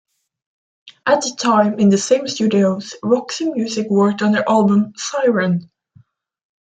At the time, in the same studios, Roxy Music worked on their album "Siren".